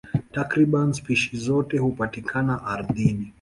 Takriban spishi zote hupatikana ardhini.